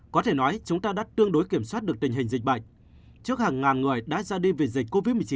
có thể nói chúng ta đã tương đối kiểm soát được tình hình dịch bệnh